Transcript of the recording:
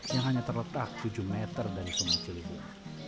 yang hanya terletak tujuh meter dari sungai ciliwung